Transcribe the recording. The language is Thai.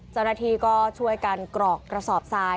เจ้าหน้าที่ก็ช่วยกันกรอกกระสอบทราย